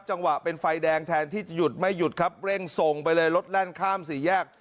จังหวะเป็นไฟแดงแทนที่จะหยุดไม่หยุดครับเร่งส่งไปเลยรถแล่นข้ามสี่แยก